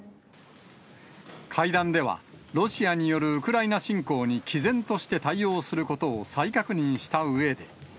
会談では、ロシアによるウクライナ侵攻にきぜんとして対応することを再確認